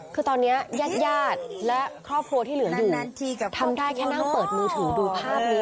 คือตอนนี้ญาติญาติและครอบครัวที่เหลืออยู่นั้นทำได้แค่นั่งเปิดมือถือดูภาพนี้